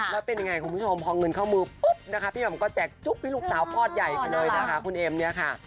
แล้วเป็นยังไงคุณผู้ชมพอเงินเข้ามือปุ๊บนะคะพี่หม่อมก็แจกจุ๊บให้ลูกสาวพ่อใหญ่ไปเลยนะคะคุณเอ็มเนี่ยค่ะ